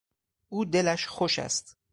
او دلش خوش است.